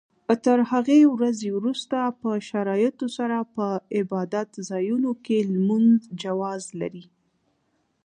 تر هغې ورځې وروسته په شرایطو سره په عبادت ځایونو کې لمونځ جواز لري.